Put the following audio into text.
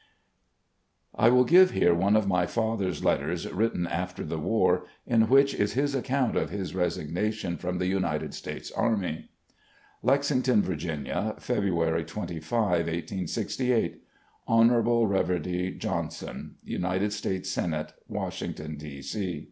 I will give here one of my father's letters, written after the war, in which is his accotmt of his resignation from the United States Army: " Lexington, Virginia, February 25, 1868. "Honourable Reverdy Johnson, "United States Senate, Washington, D. C.